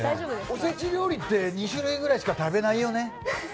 おせち料理って２種類ぐらいしか食べないよね。